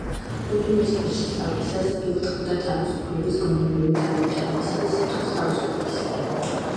უნივერსიტეტში სწავლისას ილტვოდა თავისუფლების, გონებრივი განვითარებისა და სიტყვის თავისუფლებისკენ.